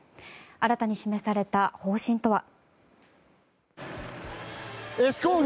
新たに示された方針とは。